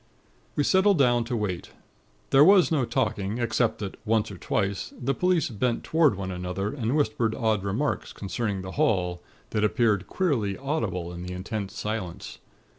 "We settled down to wait. There was no talking, except that, once or twice, the police bent toward one another, and whispered odd remarks concerning the hall, that appeared queerly audible in the intense silence.